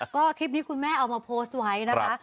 ก็คลิปนี้คุณแม่เอามาโพสต์ไว้นะคะ